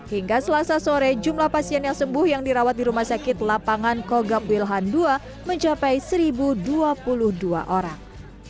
hingga selasa sore jumlah pasien yang sembuh yang dirawat di rumah sakit lapangan kogab wilhan ii mencapai satu dua puluh dua orang